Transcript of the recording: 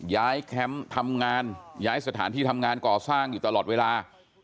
แคมป์ทำงานย้ายสถานที่ทำงานก่อสร้างอยู่ตลอดเวลา